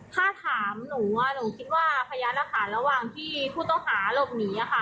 ถ้าถามหนูหนูคิดว่าพยานหลักฐานระหว่างที่ผู้ต้องหาหลบหนี